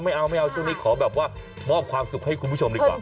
ไม่เอาไม่เอาช่วงนี้ขอแบบว่ามอบความสุขให้คุณผู้ชมดีกว่า